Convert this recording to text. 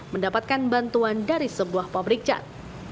mendapatkan bantuan dari sebuah pabrik cat